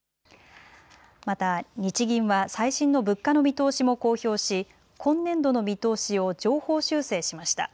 また日銀は最新の物価の見通しも公表し、今年度の見通しを上方修正しました。